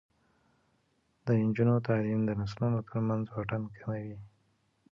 د نجونو تعلیم د نسلونو ترمنځ واټن کموي.